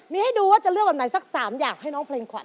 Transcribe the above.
มีให้ดูว่าจะเลือกวันไหนสัก๓อย่างให้น้องเพลงขวัญ